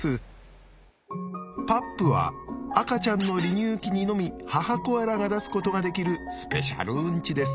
パップは赤ちゃんの離乳期にのみ母コアラが出すことができるスペシャルウンチです。